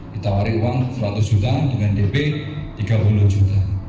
ditawari uang seratus juta dengan dp tiga puluh juta